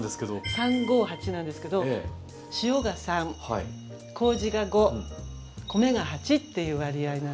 ３５８なんですけど塩が３麹が５米が８っていう割合なんですね。